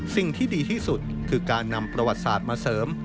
สิ่งที่ดีที่สุดคือการนำประวัติศาสตร์มาเสริม